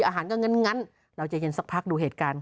อาหารก็งั้นเราใจเย็นสักพักดูเหตุการณ์ค่ะ